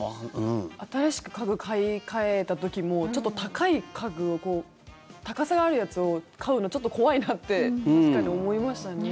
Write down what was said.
新しく家具を買い替えた時もちょっと高い家具を高さがあるやつを買うの、ちょっと怖いなって思いましたね。